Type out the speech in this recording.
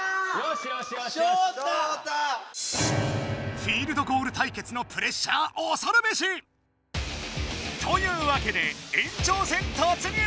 フィールドゴール対決のプレッシャーおそるべし！というわけで延長戦突入！